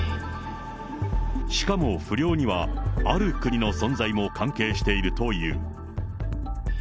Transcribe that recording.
しかも不漁には、ある国の存在も関係しているという。